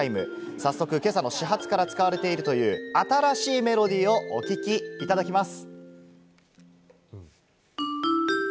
早速、今朝の始発から使われているという新しいメロディーをお聴きいただきます。